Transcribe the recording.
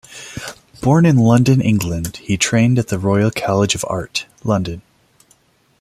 Born in London, England, he trained at the Royal College of Art, London.